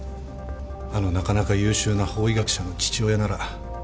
あのなかなか優秀な法医学者の父親なら。